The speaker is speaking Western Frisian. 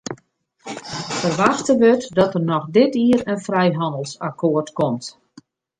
Ferwachte wurdt dat der noch dit jier in frijhannelsakkoart komt.